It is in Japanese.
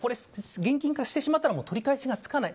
現金化をしたら取り返しがつかない。